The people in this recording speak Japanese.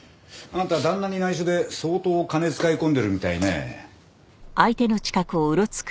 あんた旦那に内緒で相当金使い込んでるみたいね。